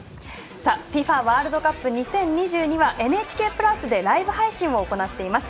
ワールドカップ２０２２は「ＮＨＫプラス」でライブ配信を行っています。